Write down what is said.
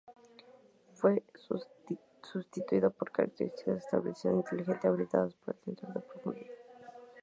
Fue sustituido por características de "estabilización inteligente" habilitadas por el sensor de profundidad.